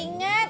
sini mas jak